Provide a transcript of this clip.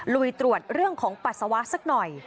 ลุยตรวจเรื่องของปัสสาวะสักหน่อย